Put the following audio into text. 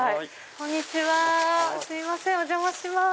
こんにちはすいませんお邪魔します。